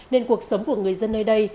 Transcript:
nên cuộc sống của người dân nơi đây